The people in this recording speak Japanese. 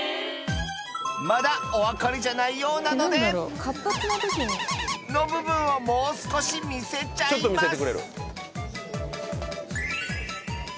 まだお分かりじゃないようなのでの部分をもう少し見せちゃいます